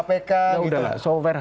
apa namanya pendukung kpk gitu